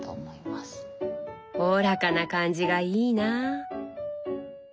おおらかな感じがいいなあ。